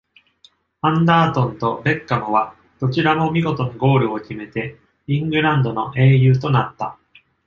アンダートンとベッカムは、どちらも見事なゴールを決めてイングランドの英雄となった。